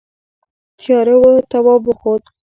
تیاره وه تواب وخوت.